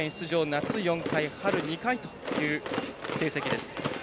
夏４回、春２回という成績です。